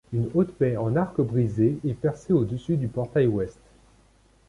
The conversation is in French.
Une haute baie en arc brisé est percée au-dessus du portail ouest.